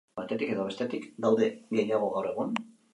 Batetik edo bestetik daude gehiago gaur egun?